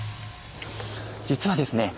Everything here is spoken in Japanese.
実はですね